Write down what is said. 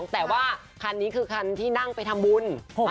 แต่ว่าคันนี้คือคันที่นั่งไปทำบุญ